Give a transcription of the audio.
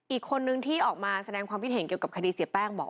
อีกคนนึงที่ออกมาแสดงความคิดเห็นเกี่ยวกับคดีเสียแป้งบอก